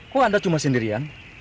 kok anda cuma sendirian